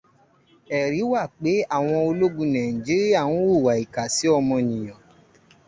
Ẹ̀rí wà pé àwọn ológun Nàíjíríà ń hùwà ìka sí ọmọnìyàn